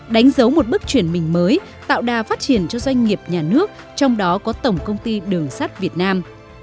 đánh dấu một bước chuyển mình mới tạo đà phát triển cho doanh nghiệp nhà nước trong đó có tổng công ty đường sắt việt nam